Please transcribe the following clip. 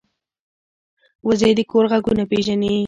وزې د کور غږونه پېژني